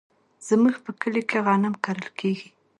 زمونږ په کلي کې غنم کرل کیږي.